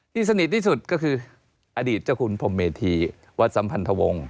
สนิทที่สุดก็คืออดีตเจ้าคุณพรมเมธีวัดสัมพันธวงศ์